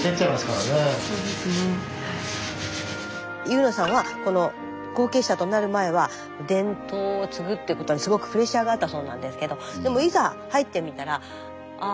有布さんは後継者となる前は伝統を継ぐっていうことにすごくプレッシャーがあったそうなんですけどでもいざ入ってみたらあ